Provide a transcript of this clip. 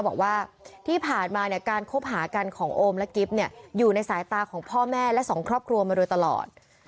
บอกว่าที่ผ่านมาเนี่ยการคบหากันของโอมและกิ๊บเนี่ยอยู่ในสายตาของพ่อแม่และสองครอบครัวมาโดยตลอด